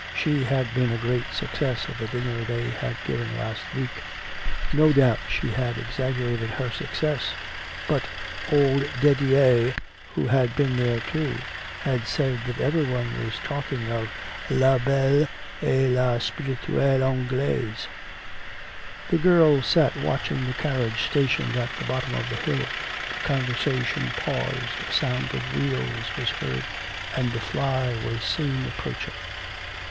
She had been a great success at the dinner they had given last week. No doubt she had exaggerated her success, but old Dedyier, who had been there too, had said that every one was talking of la belle et la spirituelle anglaise. The girls sat watching the carriage stationed at the bottom of the hill. The conversation paused, a sound of wheels was heard, and a fly was seen approaching.